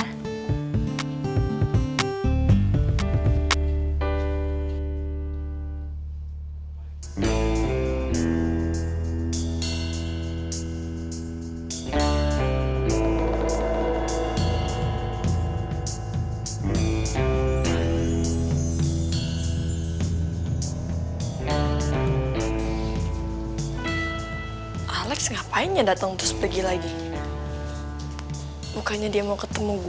hai alex ngapainnya datang terus pergi lagi bukannya dia mau ketemu gue